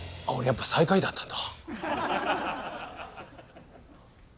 俺やっぱ最下位だったんだ。